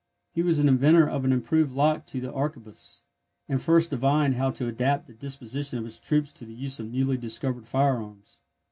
He was the inventor of an improved lock to the arquebus, and first divined how to adapt the disposition of his troops to the use of the newly discovered fire arms.